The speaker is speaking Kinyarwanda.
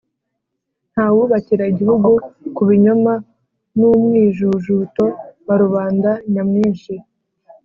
Nta wubakira igihugu ku binyoma n'umwijujuto wa rubanda nyamwinshi.